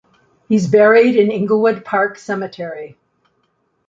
He's buried in Inglewood Park Cemetery.